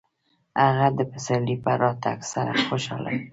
هغه د پسرلي په راتګ خوشحاله و.